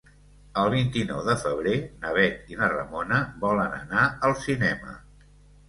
El vint-i-nou de febrer na Bet i na Ramona volen anar al cinema.